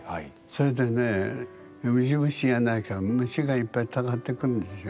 それでねウジ虫やなにか虫がいっぱいたかってくるんですよ。